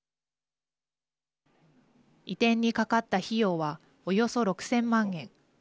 移転にかかった費用はおよそ６０００万円。